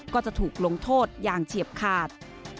ก็จะถูกลงโทษอย่างเฉียบขาด